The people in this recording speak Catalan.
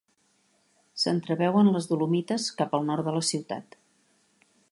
S'entreveuen les Dolomites cap al nord de la ciutat.